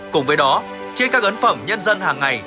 cùng với đó trên các ấn phẩm nhân dân hàng ngày